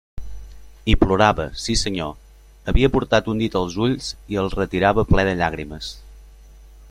I plorava, sí senyor; havia portat un dit als ulls i el retirava ple de llàgrimes.